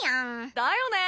だよね。